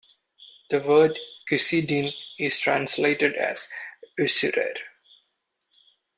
The word "kusidin" is translated as usurer.